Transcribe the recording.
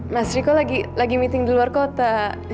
mas riko lagi meeting di luar kota